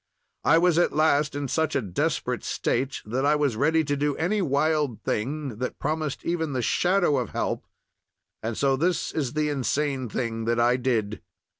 "I was at last in such a desperate state that I was ready to do any wild thing that promised even the shadow of help, and so this is the insane thing that I did.